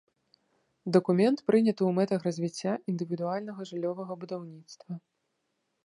Дакумент прыняты ў мэтах развіцця індывідуальнага жыллёвага будаўніцтва.